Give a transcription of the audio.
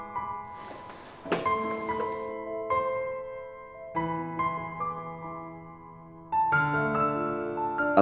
nanti aku suruh bibi bawa minuman buat kamu